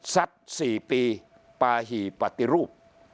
สัดสี่ปีปาหีปฏิรูป